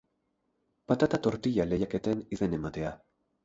Patata tortilla lehiaketen izen ematea.